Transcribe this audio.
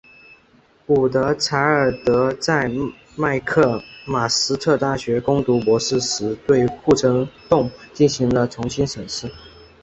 古德柴尔德在麦克马斯特大学攻读博士时对护城洞进行了重新审视。